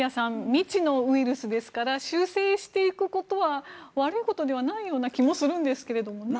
未知のウイルスですから修正していくことは悪いことではない気がするんですけどね。